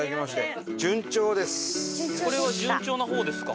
これは順調な方ですか？